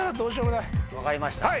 分かりました。